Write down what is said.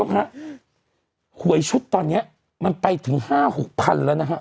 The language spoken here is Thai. หวยชุดตอนนี้มันไปถึง๕๖๐๐๐แล้วนะฮะ